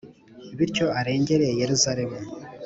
bityo arengere Yeruzalemu;